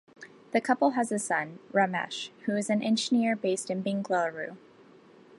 The couple has a son, Ramesh, who is an engineer based in Bengaluru.